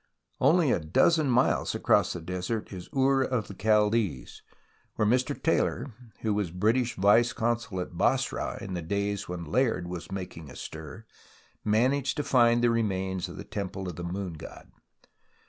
Only a dozen miles across the desert is Ur of the Chaldees, where Mr. Taylor, who was British vice consul at Basra in the days when Layard was making a stir, managed to find the remains of the temple of the Moon God.